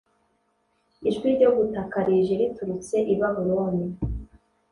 Ijwi ryo gutaka rije riturutse i Babuloni